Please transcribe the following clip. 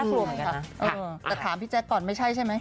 แต่ถามพี่แจ๊คก่อนไม่ใช่ใช่ไหม